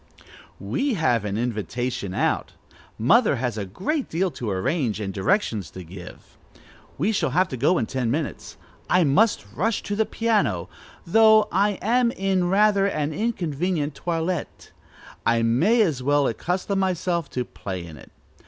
"We have an invitation out. Mother has a great deal to arrange, and directions to give. We shall have to go in ten minutes. I must rush to the piano, though I am in rather an inconvenient toilette: I may as well accustom myself to play in it.